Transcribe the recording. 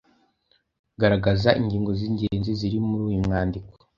Garagaza ingingo z’ingenzi ziri muri uyu mwandiko?